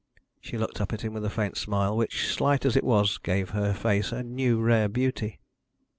She looked up at him with a faint smile, which, slight as it was, gave her face a new rare beauty.